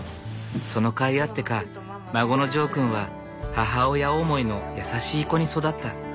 その甲斐あってか孫のジョー君は母親思いの優しい子に育った。